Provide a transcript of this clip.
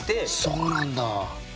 そうなんだ。